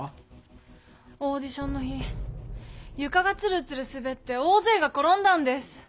オーディションの日ゆかがツルツルすべって大ぜいが転んだんです。